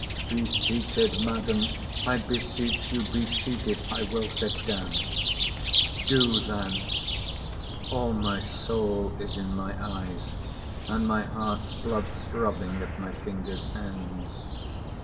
Be seated, Madam! I beseech you, be seated!—— I will sit down—— Do then—All my soul is in my eyes, and my heart's blood throbbing at my fingers' ends.